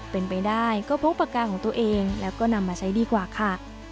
เป็นไปได้ก็พกปากกาของตัวเองแล้วก็นำมาใช้ดีกว่าค่ะ